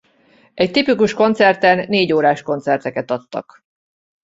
Egy tipikus koncerten négy órás koncerteket adtak.